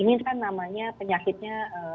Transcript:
ini kan namanya penyakitnya